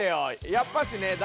やっぱしね「大！